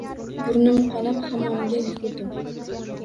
Burnim qonab, hammomga yugurdim